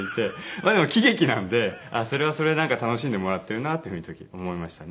まあでも喜劇なのでそれはそれでなんか楽しんでもらってるなっていうふうに思いましたね